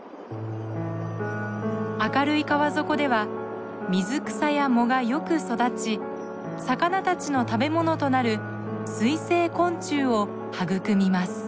明るい川底では水草や藻がよく育ち魚たちの食べ物となる水生昆虫を育みます。